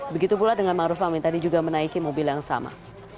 begitu pula dengan maruf amin tadi juga menaiki mobil yang sama